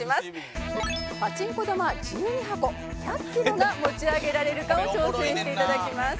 パチンコ玉１２箱１００キロが持ち上げられるかを挑戦して頂きます。